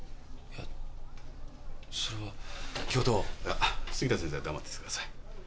いや杉田先生は黙っててください。